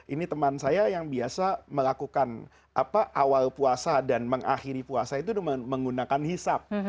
ini teman saya yang biasa melakukan awal puasa dan mengakhiri puasa itu menggunakan hisap